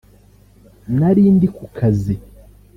Nari ndi ku kazi